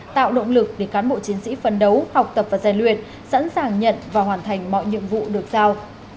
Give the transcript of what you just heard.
tạo động lực để cán bộ chiến sĩ phân đấu học tập và giàn luyện sẵn sàng nhận và hoàn thành mọi nhiệm vụ được giao